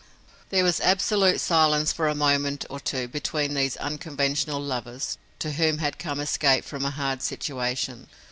There was absolute silence for a moment or two between these unconventional lovers to whom had come escape from a hard situation.